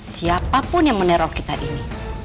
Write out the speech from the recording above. siapapun yang meneroh kita ini